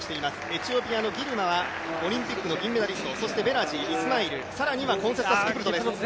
エチオピアのギルマはオリンピックの銀メダリスト、そしてベラジ、イスマイル更にはコンセスラス・キプルトです